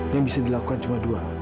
yang bisa dilakukan cuma dua